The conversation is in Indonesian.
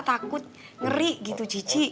takut ngeri gitu cici